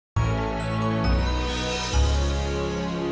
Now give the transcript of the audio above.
terima kasih bu